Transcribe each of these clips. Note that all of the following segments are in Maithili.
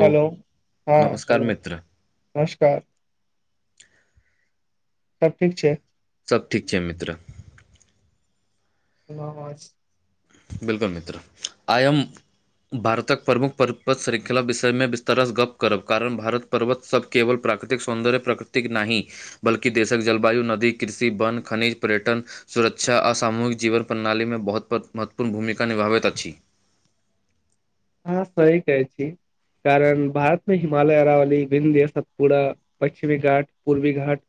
हेलो हां नमस्कार हेलो। मित्र नमस्कार, सब ठीक छैय। सब ठीक छैय मित्र। सुनाओ [unintelligible] बिलकुल मित्र आय हम भारतक प्रमुख पर्वत श्रृंखला विषयमे विस्तारस गप्प करब कारण भारत पर्वत सब केवल प्राकृतिक सौन्दर्य प्राकृतिक नाहि बल्कि देशक जलवायु, नदी, कृषि, वन, खनिज, पर्यटन सुरक्षा आ सामूहिक जीवन प्रणाली में बहुत [unintelligible] महत्वपूर्ण भूमिका निभाबैत अछि। अहाँ सही कहै छी कारण भारत मे हिमालय, अरावली, बिन्धय, सतपूडा पश्चिमी घाट, पूर्वी घाट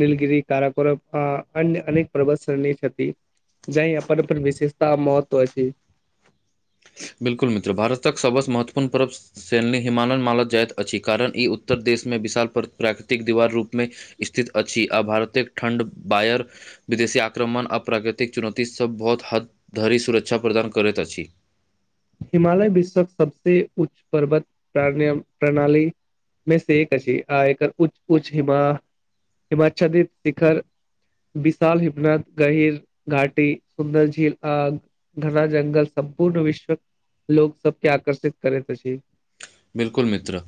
नलगिरी काराकोर आ अन्य अनेक प [unintelligible] छथी जाहे अपन अपन विशेषता महत्व अछि। बिल्कुल मित्र भारतक सबसँ महत्वपूर्ण पर्ब सनी हिमालय मालल जाइत अछि, कारण ई उत्तर देशमे विशाल प्राकृतिक दीवार रूपमे स्थित अछि, आ भारतेक ठण्ड बायर विदेशी आक्रमण आ प्राकृतिक चुनौती सभ बहुत हद धरि सुरक्षा प्रदान करैत अछि। हिमालय विश्वक सबसे उच्च पर्वत प्रणयम प्रणाली मे से एक अछि, आ एकर उच्च उच्च हिमा हिमाचछदित शिखर विशाल हिफनत, गहिर घाटी, सुन्दर झील, आग घना जंगल सम्पूर्ण विश्व लोक सबके आकर्षित करैत अछि। बिलकुल मित्र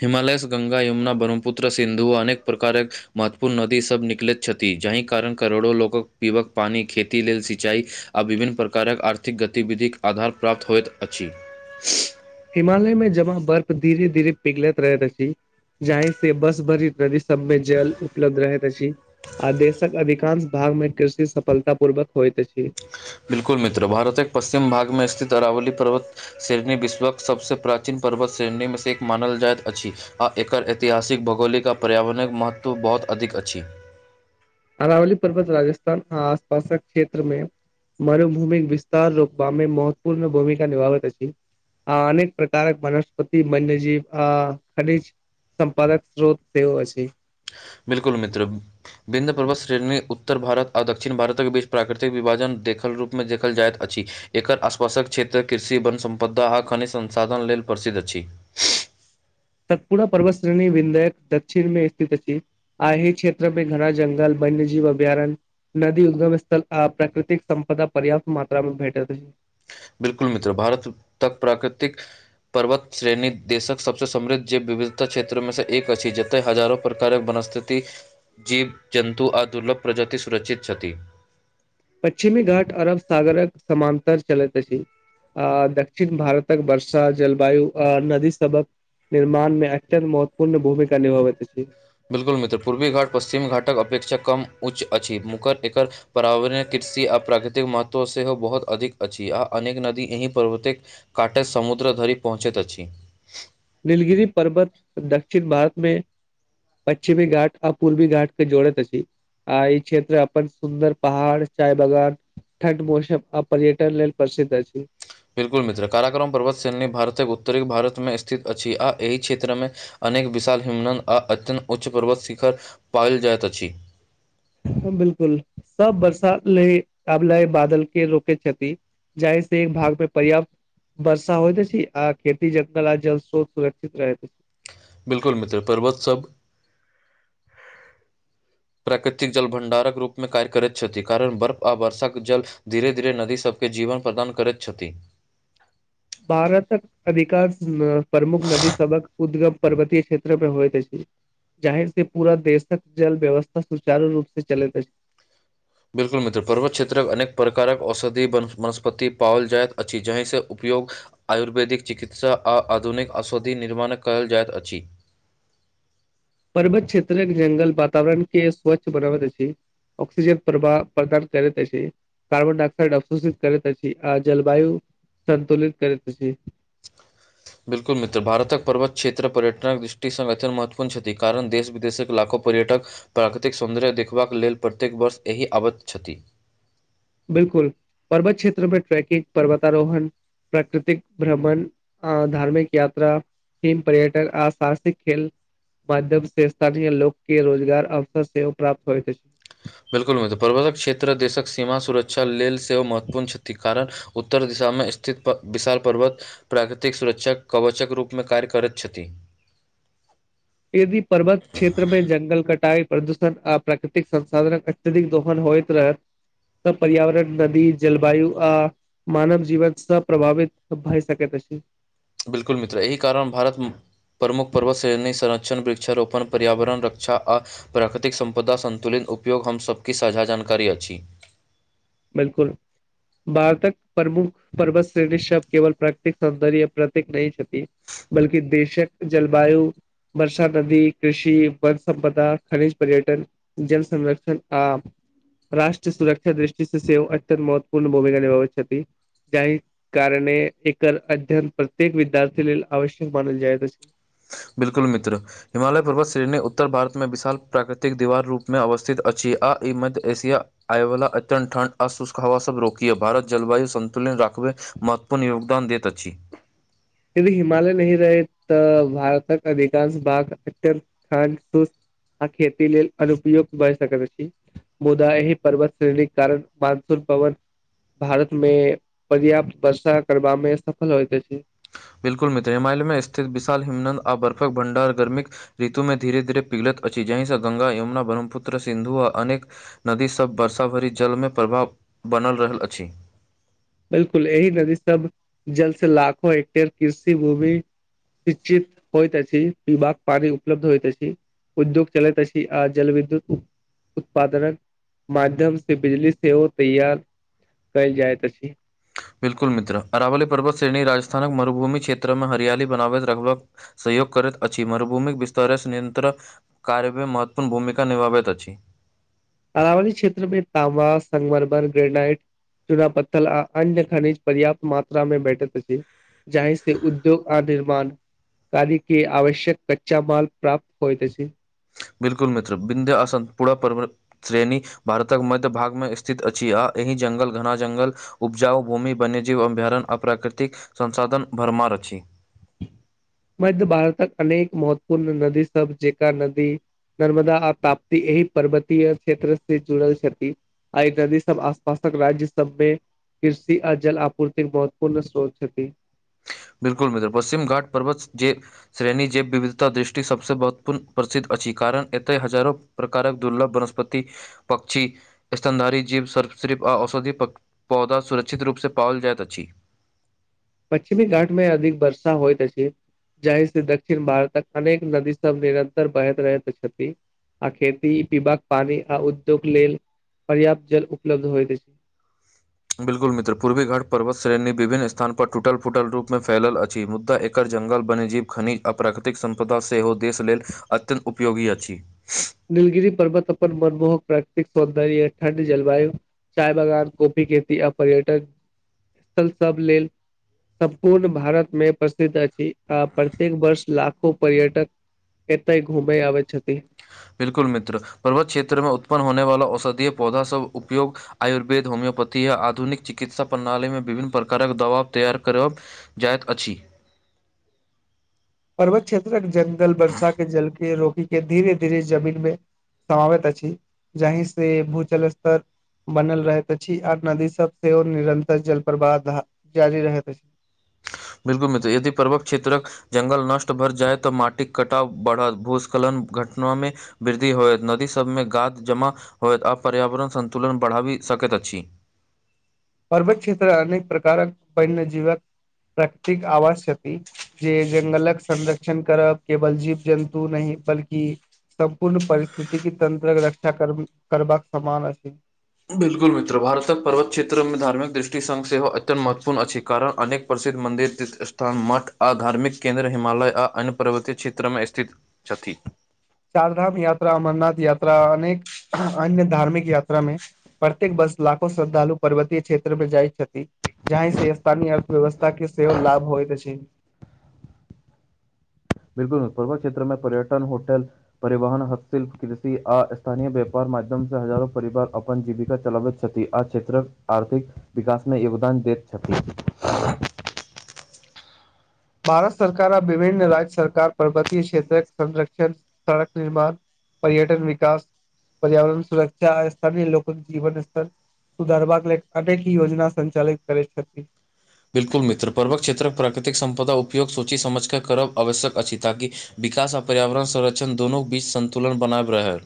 हिमालय से ग्ंगा, यमुना, ब्रह्मपुत्र, सिन्धु, अनेक प्रकारक महत्वपूर्ण नदी सब निकलैत छथि। थी, जाहि कारण करोड़ो लोकक पीबक पानि, खेती लेल सिंचाई, आ विभिन्न प्रकारक आर्थिक गतिविधिक आधार प्राप्त होइत अछि। हिमालय में जमां बर्फ धीरे -धीरे पिघलैत रहैत अछि। जहि से बस भरि नदी सबमे जल उपलब्ध रहैत अछि। आ देशक अधिकांश भाग मे कृषि सफलता पूर्वक होइत अछि। बिल्कुल मित्र भारतक पश्चिम भागमे स्थित अरावली पर्वत शेरनी विश्वक सबसे प्राचीन पर्वत शेरणी मे से एक मानल जाइत अछि। आ एकर ऐतिहासिक भौगोलिक आ पर्यावरणक महत्व बहुत अधिक अछि। अरावली पर्वत राजस्थान आसपासक क्षेत्र में मरुभूमि विस्तार रोकबा मे महत्वपूर्ण भूमिका निभाबैत अछि। आ अनेक प्रकारक वनस्पति, वन्यजीव अ खनिज सम्पादक स्रोत सेहो अछि। बिलकुल, मित्र बिन्द पर्वत श्रेणी उत्तर उत्तर भारत आओर दक्षिण भारतक बीच प्राकृतिक विभाजन देखल रूपमे देखल जाइत अछि। एकर आसपासक क्षेत्र कृषि वन सम्पदा आ खनिज संसाधन लेल प्रसिद्ध अछि। तत्पूरा पर्वत श्रेणी विनधायक दक्षिण मे स्थित अछि। आ ए क्षेत्र में घना जंगल वन्यजीव अभयारण्य नदी उदगम स्थल आ प्राकृतिक सम्पदा पर्याप्त मात्रा मे भेटैत अछि। बिलकुल मित्र भारत तक प्राकृतिक पर्वत श्रेणी देशक सबसँ समृद्ध विविधता क्षेत्र में से एक अछि। तऽ हजारो प्रकारक वनस्पति, जीव जन्तु आ दुर्लभ प्रजाति सुरक्षित छथि। पश्चिमी घाट अरब सागरक समान्तर चलैत अछि। अ दक्षिण भारतक वर्षा जलवायु अ नदी सबक निर्माण में अत्यंत महत्वपूर्ण भूमिका निभाबैत अछि। बिल्कुल मित्र पूर्वी घाट, पश्चिम घाटक अपेक्षा कम उच्च अछि मुकर एकर पर्यावरण कृषि आ प्राकृतिक महत्व सेहो बहुत अधिक अछि आ अनेक नदी यह प्रवतिक काटे समुद्र धरि पहुँचइत अछि। नीलगिरि पर्वत दक्षिण भारत मे पश्चिमी घाट आ पूर्वी घाट के जोड़त अछि। आ ई क्षेत्र अपन सुन्दर पहाड़ चाय बगान ठण्ड मौसम आ पर्यटन लेल प्रसिद्ध अछि। बिल्कुल मित्र काराकोरम पर्वत श्रेणी भारतक उत्तरी भारतमे स्थित अछि, आ एहि क्षेत्रमे अनेक विशाल हिमनन आ अत्यन्त उच्च पर्वत शिखर पायल जाइत अछि। बिलकुल, सब बरसात ले आब लय बादल के रोकैत छथि। जाहि से एक भाग पे पर्याप्त वर्षा होइत अछि आ खेती जंगल आ जल स्रोत सुरक्षित रहैत अछि। बिल्कुल मित्र, पर्वत सब। प्राकृतिक जल भंडारक रूप में कार्य करैत छथि कारण बर्फ आ वर्षाक जल धीरे धीरे नदी सबके जीवन प्रदान करैत छथि। भारतक अधिकांश प्रमुख नदी सबहक उद्गम पर्वतीय क्षेत्र मे होएत अछि। जाहि सं पूरा देशक जल व्यवस्था सुचारू रूप से चलैत अछि। बिल्कुल मित्र, पर्वत क्षेत्रक अनेक प्रकारक औषधि वनस्पति पाओल जाइत अछि जाहिसँ उपयोग आयुर्वेदिक चिकित्सा आ आधुनिक औषधि निर्माण कयल जाइत अछि। पर्वत क्षेत्रक जंगल वातावरण के स्वच्छ बनाबैत अछि। ऑक्सिजन प्रभाव प्रदान करैत अछि। कार्बन डाइऑकसइड अवशोषित करैत अछि आ जलवायु सन्तुलित करैत अछि। बिल्कुल मित्र भारतक पर्वत क्षेत्र पर्यटनक दृष्टि सं महत्वपूर्ण छथि कारण देश विदेशक लाखो पर्यटक प्राकृतिक सौन्दर्य देखबाक लेल प्रत्येक वर्ष यहीं आबैत छथि। बिलकुल पर्वत क्षेत्रमे ट्रैकिंग पर्वतारोहण प्राकृतिक भ्रमण अ धार्मिक यात्रा स्की पर्यटक आ साहसिक खेल माध्यम से स्थानीय लोक के रोजगार अवसर सेहो प्राप्त होइत अछि। बिल्कुल मित्र, पर्वतक क्षेत्र देशक सीमा सुरक्षा लेल सेहो महत्वपूर्ण छथि कारण उत्तर दिशामे स्थित विशाल पर्वत प्राकृतिक सुरक्षा कवचक रूपमे कार्य करैत छथि। यदि पर्वत क्षेत्र मे जंगल कटाई प्रदूषण आ प्राकृतिक संसाधनक अत्यधिक दोहन होइत रहै तऽ पर्यावरण, नदी, जलवायु आ मानव जीवन सं प्रभावित भय सकैत अछि। बिलकुल मित्र, एहि कारण भारत प्रमुख पर्वत श्रेणी संरक्षण, वृक्षारोपण, पर्यावरण रक्षा आ प्राकृतिक सम्पदा संन्तुलित उपयोग हम सभके साझा जानकारी अछि। बिलकुल। भारतक प्रमुख पर्वत श्रेणी सब केवल प्राकृतिक सौन्दर्यक प्रतीक नहि छथि। बल्कि देशक जलवायु वर्षा, नदी, कृषि, वन संपदा, खनिज, पर्यटन जल संरक्षण आ राष्ट्र सुरक्षा दृष्टि सं सेहो अत्यंत महत्वपूर्ण भूमिका निभावै छथि। जाहि कारणे एकर अध्ययन प्रत्येक विद्यार्थी लेल आवश्यक मानल जाइत अछि। बिलकुल मित्र। हिमालय पर्वत श्रेणी उत्तर भारतमे विशाल प्राकृतिक दीवार रूपमे अवस्थित अछि आ ई मध्य एशिया आय वला अत्यन्त ठंड आ शुष्क हवा सभ रोकिये, भारत जलवायु संन्तुलित राखबे महत्वपूर्ण योगदान दैत अछि। यदि हिमालय नहि रहे तऽ भारतक अधिकांश भाग अत्यंत शांत आ खेती लेल अनुपयुक्त भय सकैत अछि। मुदा एही पर्वत श्रेणीक कारण मानसून पवन भारत मे पर्याप्त वर्षा करबा मे सफल होइत अछि। बिल्कु मित्र हिायालय मे स्थित विशाल हिमन्न्द आ बर्फक भंडार गर्मीक ऋतुमे धीरे धीरे पिघलत अछि जहिंसँ गंगा यमुना ब्रह्मपुत्र सिन्धु आ अनेक नदीसभ वर्षा भरि जलमे प्रभाव बनल रहल अछि। बिलकुल यही नदी सब जल से लाखो ह्टेयर कृषि भूमि श्चित होइत अछि पीबाक पानी उपलब्ध होइत अछि। उद्योग चलैत छी आ जल विद्युत उत्पादनक माध्यम से बिजली सेहो तैयार कयल जाइत अछि। बिल्कु मित्र अरावल पर्वत श्रेणी राजस्थानक मरुभूमि क्षेत्र मे हरियाली बनावैत रखबक सहयग करैत अछि मरुभूमिक विस्तारस नियत्र कार्यमे महत्वपूर्ण भूमिका निभाबैत अछि। अरावली क्षेत्र में ताँबा संगमरमर ग्रेनाइट चूना पत्थल आ अन्य खनिज पर्याप्त मात्रा मे भेठैत अछि। जाहि से उद्योग आ निर्माण कदी की आवश्यक कच्चा माल प्राप्त होइत अछि। बिलकुल मित्र बिंध्यआसन पुरा पर श्रेणी भारतक मध्य भागमे स्थित अछि आ एहि जंगल घना जंगल उपजाओ भूमि वन्यजीव अभयारण आ प्राकृतिक संसाधन भरमार अछि। मध्य भारतक अनेक महत्वपूर्ण नदी सब जेका नदी नर्मदा आ ताप्ती एहि पर्वतीय क्षेत्र से जुड़ल छथि। आइ नदी सब आस-पास तक राज्य सबमे कृषि आ जल आपूर्तिके महत्वपूर्ण स्रोत छथि। बिल्कुल मित्र पश्चिम घाटपर्वत जे श्रेणी जैव विविधता दृष्टि सभसे महत्वपूर्ण प्रसिद्ध अछि कारण एतेय हजारो प्रकारक दुर्लभ वनस्पति पक्षी स्तनधारी जीव सर्प सिर्फ आ औषधी पौ पौधा सुरक्षित रूपसे पाओल जाइत अछि। पश्चिमी घाटमे अधिक वर्षा होइत अछि। जाहि से दक्षिण भारतक अनेक नदी सब निरंतर बहैत रहैत छथि। आ खेती पिवाक पानी आ उद्योग लेल पर्याप्त जल उपलब्ध होइत अछि। बिल्कुल मित्र पूर्वी घटपर्वत श्रेणी विभिन्न स्थान पर टल फूटल रूप मे फैल अछि मुद्दा एक एकर जंगल वन्यजीव खनिज आ प्राकृतिक संपदा सेहो देश लेल अत्यन्त उपयोगी अछि। नीलगिरी पर्वत अपन मनमोहक प्राकृतिक सौन्दर्य ठण्ड जलवायु चायबगान कॉफी खेती आ पर्यटक स्थल सब लेल सम्पूर्ण भारत मे प्रसिद्ध अछि आ प्रत्येक वर्ष लाखो पर्यटक एते घूमै आबै छथि। बिल्कुल मित्र पर्वत क्षेत्रमे उत्पन्न होने वाला औषधीय पौधा सभ उपयोग आयुर्वेद होम्योपैथी य आधुनिक चिकित्सा प्रणालीमे विभिन्न प्रकारक दबा तैयार करब जाइत अछि। पर्वत क्षेत्रक जंगल बर्षा के जल के रोकी के धीरे धीरे जमीन मे समावैत अछि जहि से भू-जल स्तर बनल रहैत अछि आर नदी सब सेहो निरंतर जल प्रवाह धा जारी रहैत अछि। बिल्कुल मित्र यदि पर्वक क्षेत्रक जंगल नष्ट भर जायऽ माटिक कटाव बढ़त भू-स्खलन घटनामे वृद्धि होइत नदी सबमे गाद जमा होइत आ पर्यावरण सन्तुलन बढ़ाबी सकैत अछि। पर्वत क्षेत्र अनेक प्रकारक वन्यजीवक प्राकृतिक आवास छथि। जे जंगलक संरक्षण करब केवल जीव-जन्तु नहि बल्कि सम्पूर्ण परिस्थिति के तंत्रक रक्षा करबाक समान अछि। बिल्कुल मित्र भारतक पर्वत क्षेत्रमे धार्मिक दृष्टिसंग सेहो अत्यंत महत्वपूर्ण अछि कारण अनेक- प्रसिद्ध मन्दिर तीर्थस्थान मठ आ धार्मिक केन्द्र हिमालय आ अन्य पर्वतीय क्षेत्रमे स्थित। छथि। चार धाम यात्रा, अमरनाथ यात्रा, अनेक अन्य धार्मिक यात्रा मे प्रत्येक बस लाखो श्रद्धालु पर्वतीय क्षेत्रमे जाइत छथि। जाहि से स्थानीय अर्थव्यवस्था के सेहो लाभ होइत अछि। बिल्कुल मित्र पर्वत क्षेत्र मे पर्यटन होटल। परिवहन हस्तशिल्प, कृषि आ स्थानीय व्यापार माध्यम से हजारो परिवार अपन जीविका चलबैत। छथि आ क्षेत्रक आर्थिक विकासमे योगदान दैत छथि। भारत सरकार आ विभिन्न राज्य सरकार पर्वतीय क्षेत्रक संरक्षण, सड़क निर्माण- पर्यटन विकास पर्यावरण सुरक्षा आ स्थानीय लोक जीवन स्तर सुधारबाक लेल अनेक योजना संचालित करै छथि। बिल्कुल मित्र पर्वक क्षेत्रक प्राकृतिक सम्पदा उपयोग सोचि समझ कऽ करब आवश्यक अछि ताकि विकास आ पर्यावरण संरक्षण दूनू बीच सन्तुलन बनायब रहै।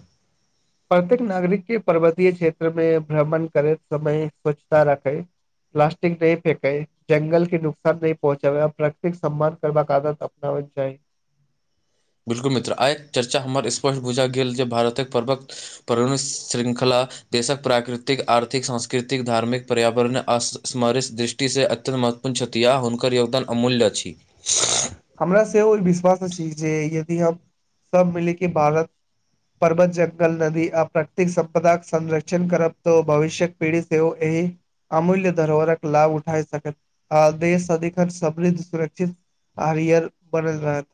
प्रत्येक नागरिक के पर्वतीय क्षेत्र मे भ्रमण करैत समय स्वच्छता राखै। प्लास्टिक नहि फेके, जंगल के नुकसान नहि पहुँचाबए, प्राकृतिक सम्मान करबाक आदत आबैक चाहि। बिल्कुल मित्र आइ चर्चा हमर स्पष्ट बुझा गेल जे भारतक पर्वक परणु शृंखला देशक प्राकृतिक, आर्थिक, सांस्कृतिक धार्मिक, पर्यावरण असमरि दृष्टि से अत्यन्त महत्व पुन्य छथि या हुनकर योगदान अमूल्य अछि। हमरा सेहो ई विश्वास अछि जे यदि हम सब मिले के बालक परर्बत, जंगल, नदी आ प्रतिक संपदाक संरक्षण करब तऽ भविष्य्यक पीढ़ि सेहो एहि अमूल्य धरोहरक लाभ उठाय सकत आ देश सदिखन समृद्ध सुरक्षित आरियर बनल रहत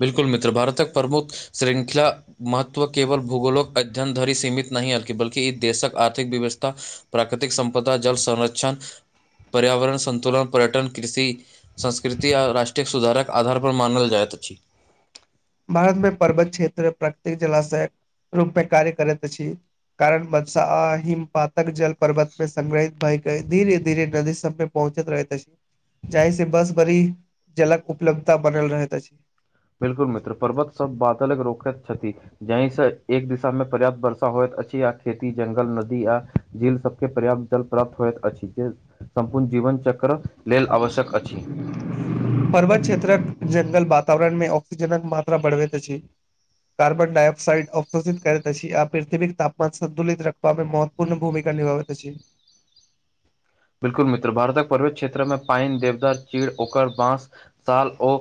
बिल्कुल मित्र भारतक प्रमुख श्रृंखला महत्व केवल भूगोलक अध्ययन धरि सीमित नहि अति बल्कि ई देशक आर्थिक व्यवस्था- प्राकृतिक संपदा जल संरक्षण पर्यावरण संतुलन पर्यटन कृषि- संस्कृति आओ राष्ट्रीय सुधारक आधारपर मानल जाइत अछि। भारत मे पर्वत क्षेत्र प्रकृतिक जलाशय रूपमे कार्य करैत अछि। कारण बदशा आ हिमपाातक जल पर्वत मे संग्रहित भएय धीरे -धीरे नदी सबमे- पहुँचैत रहैत अछि जाहि से बस भरी जलक उपलब्धता बनल रहैत अछि। बिल्कुल मित्र पर्वत सब बातलक रोकैत छथि। जहि सँ एक दिशा मे पर्याप्त वर्षा होइत अछि आ खेती जंगल नदी आ- झील सबके पर्याप्त जल प्राप्त होइत अछि जे सम्पूर्ण जीवन चक्र- लेल आवश्यक अछि। पर्वत क्षेत्रक जंगल वातावरण में ऑक्सीजनक मात्रा बढ़बैत अछि। कार्बन डायऑक्सइड अवशोषित करैत अछि आ पृथ्विक तापमान संतुलित रख तबे मे महत्वपूर्ण भूमिका निभाबैत अछि। बिल्कुल मित्र भारतक पर्वत क्षेत्र मे पैन देवदार चीड़ ओकर बाँस साल ओ-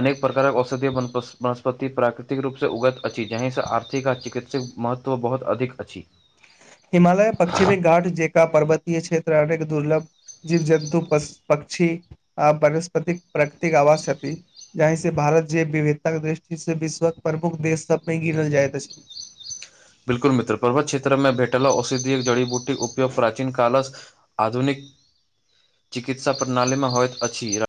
अनेक प्रकारक औषधीय वन वनस्पति प्राकृतिक रूप से उगैत अछि जहिं से आर्थिक आ चिकित- जे महत्व बहुत अधिक अछि। हिमालय पश्चिमी घाट जेका पर्वतीय क्षेत्र अनेक दुर्लभ- जीव जन्तु पक्षी आ वनस्पतिक प्रकतिक आवास छथि। जही से भारत जे विविधता के दृष्टि से विश्व के प्रमुख देश सब मे गिनल जाइत अछि। बिल्कुल मित्र पर्वत क्षेत्र मे भेटल औषधिय एक जड़ी बूटीक उपयोग प्राचीन कालस आधुनिक चिकित्सा प्रणालीमे होइत अछि।